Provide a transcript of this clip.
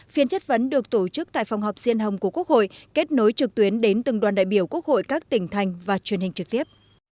phiên chất vấn được tổ chức tại phòng họp diên hồng của quốc hội kết nối trực tuyến đến từng đoàn đại biểu quốc hội các tỉnh thành và truyền hình trực tiếp